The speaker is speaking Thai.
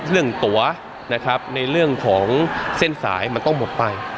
เรื่องตั๋วในเรื่องของเส้นสายมันต้องหมดไป